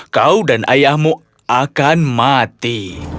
kau dan ayahmu akan mati